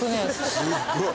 すごい。